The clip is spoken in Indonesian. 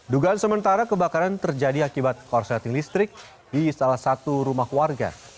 dugaan sementara kebakaran terjadi akibat korsleting listrik di salah satu rumah warga